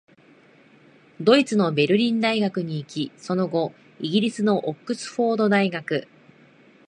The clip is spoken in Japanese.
ドイツのベルリン大学に行き、その後、イギリスのオックスフォード大学、